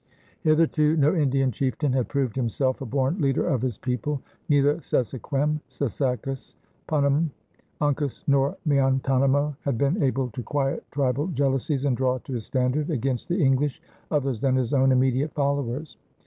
Hitherto no Indian chieftain had proved himself a born leader of his people. Neither Sessaquem, Sassacus, Pumham, Uncas, nor Miantonomo had been able to quiet tribal jealousies and draw to his standard against the English others than his own immediate followers.